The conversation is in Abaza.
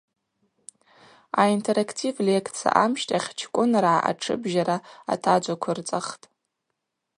Аинтерактив лекция амщтахь чкӏвыныргӏа атшыбжьара атаджвыквырцӏахтӏ.